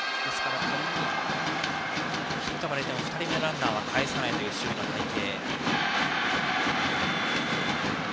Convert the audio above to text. ヒットが出ても２人目のランナーはかえさないという守備の体勢。